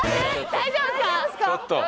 大丈夫ですか？